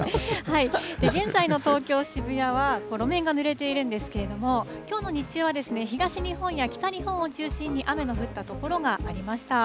現在の東京・渋谷は、路面がぬれているんですけれども、きょうの日中は東日本や北日本を中心に雨の降った所がありました。